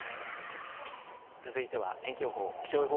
続いては天気予報。